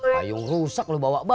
payung rusak lu bawa bawa buat jimat